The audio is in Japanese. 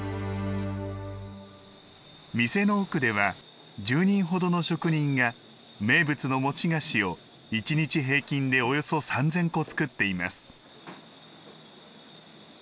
店の奥では、１０人ほどの職人が名物の餅菓子を一日平均で、およそ３０００個作っています。